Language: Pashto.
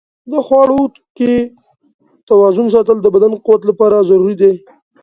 د خواړو کې توازن ساتل د بدن د قوت لپاره ضروري دي.